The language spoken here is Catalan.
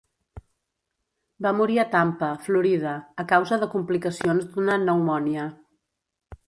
Va morir a Tampa, Florida, a causa de complicacions d'una pneumònia.